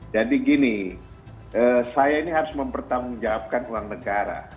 jadi gini saya ini harus mempertanggung jawabkan uang negara